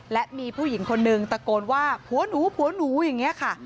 และมีผู้หญิงคนนึงตะโกนว่าผัวหนูผัวหนูอย่างนี้ค่ะ